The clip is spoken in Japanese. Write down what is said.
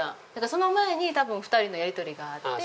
その前に多分２人のやり取りがあって。